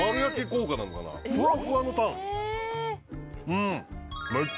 うん。